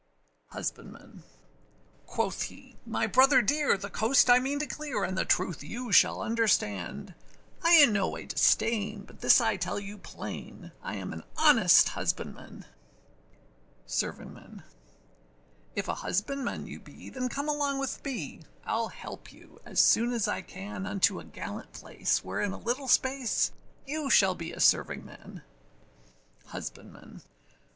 HUSBANDMAN. Quoth he, my brother dear, the coast I mean to clear, And the truth you shall understand: I do no one disdain, but this I tell you plain, I am an honest husbandman. SERVINGMAN. If a husbandman you be, then come along with me, Iâll help you as soon as I can Unto a gallant place, where in a little space, You shall be a servingman. HUSBANDMAN.